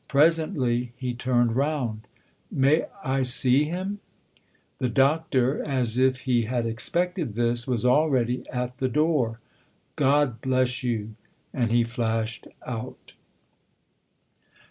Presently he turned round. " May I see him ?". The Doctor, as if he had expected this, was already at the door. " God bless you !" And he flashed out.